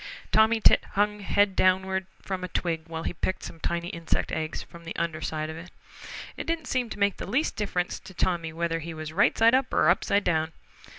Tommy Tit hung head downward from a twig while he picked some tiny insect eggs from the under side of it. It didn't seem to make the least difference to Tommy whether he was right side up or upside down.